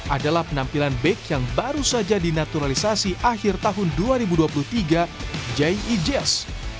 adalah penampilan bag yang baru saja dinaturalisasi akhir tahun dua ribu dua puluh tiga ji jazz